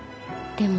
でも。